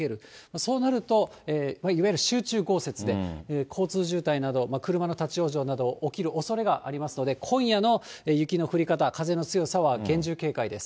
そうなると、いわゆる集中豪雪で、交通渋滞など、車の立往生など、起きるおそれがありますので、今夜の雪の降り方、風の強さは厳重警戒です。